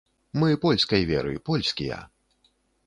Мы польскай веры, польскія.